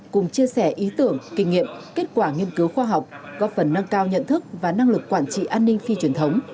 cùng chia sẻ ý tưởng kinh nghiệm kết quả nghiên cứu khoa học góp phần nâng cao nhận thức và năng lực quản trị an ninh phi truyền thống